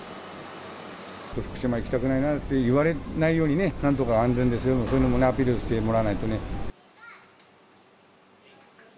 福島行きたくないなって言われないように、なんとか安全ですよと、そういうものもアピールしてもらわないとね。